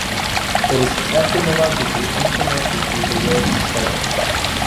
It is etymologically unconnected to the word "sheriff".